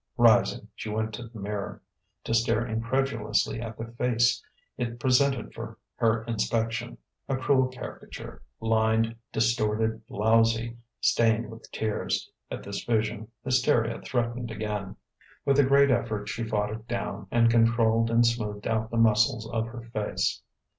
Rising, she went to the mirror, to stare incredulously at the face it presented for her inspection, a cruel caricature, lined, distorted, blowsy, stained with tears. At this vision, hysteria threatened again. With a great effort she fought it down, and controlled and smoothed out the muscles of her face.